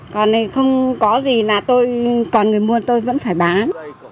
còn thì không có gì là tôi còn người mua tôi vẫn phải bán